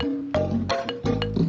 enggak mau jemput irin